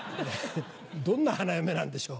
どんな花嫁なんでしょう？